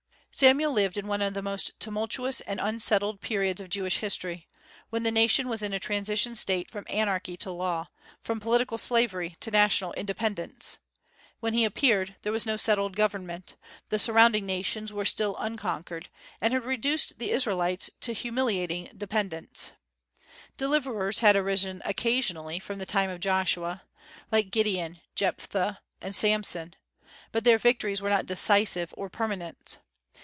Samuel lived in one of the most tumultuous and unsettled periods of Jewish history, when the nation was in a transition state from anarchy to law, from political slavery to national independence. When he appeared, there was no settled government; the surrounding nations were still unconquered, and had reduced the Israelites to humiliating dependence. Deliverers had arisen occasionally from the time of Joshua, like Gideon, Jephthah, and Samson, but their victories were not decisive or permanent.